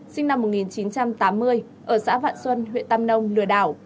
sinh năm một nghìn chín trăm tám mươi ở xã vạn xuân huyện tam nông lừa đảo